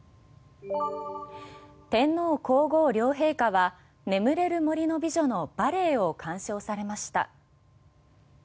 天皇皇后両陛下は「眠れる森の美女」のバレエを鑑賞されました。